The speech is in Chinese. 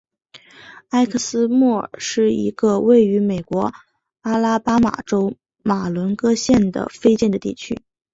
埃克斯莫尔是一个位于美国阿拉巴马州马伦戈县的非建制地区。